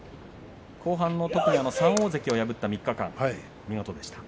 後半の特に３大関を破った３日間は見事でした。